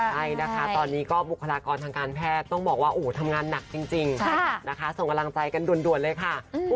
ใช่นะคะตอนนี้ก็บุคลากรทางการแพทย์ต้องบอกว่าทำงานหนักจริงนะคะส่งกำลังใจกันด่วนเลยค่ะ